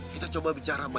kita coba bicara baik baik